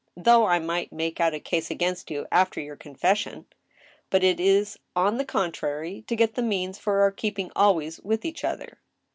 though I might make out a case against you, after your confession ! But it is, on the contrary, to get the means for our keeping always with each other."